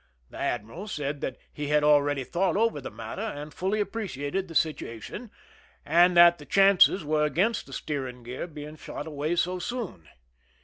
The admiral said that he had already thought over the matter and fully appreciated the situation, but that the chances were against the steering gear being shot away so soon.